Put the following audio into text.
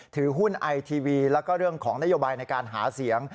ถือหุ้นไอทีวีแล้วก็เรื่องของนโยบายในการหาเสียง